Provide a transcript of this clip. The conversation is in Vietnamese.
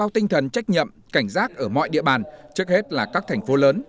trần trách nhiệm cảnh giác ở mọi địa bàn trước hết là các thành phố lớn